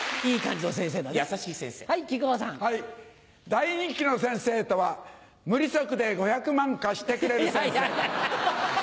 大人気の先生とは無利息で５００万貸してくれる先生。